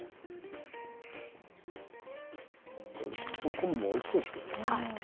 この昆布はおいしいそうですけどね。